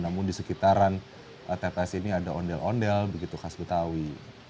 namun di sekitaran tps ini ada ondel ondel begitu khas betawi